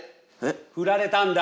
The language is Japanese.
ふられたんだ。